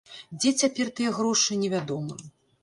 Дзе цяпер тыя грошы, невядома.